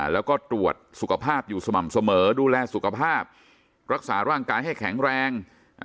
แล้วก็ตรวจสุขภาพอยู่สม่ำเสมอดูแลสุขภาพรักษาร่างกายให้แข็งแรง